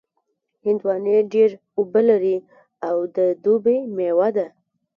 هندوانې ډېر اوبه لري او د دوبي مېوه ده.